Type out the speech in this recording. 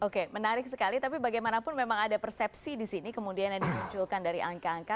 oke menarik sekali tapi bagaimanapun memang ada persepsi disini kemudian yang dimunculkan dari angka angka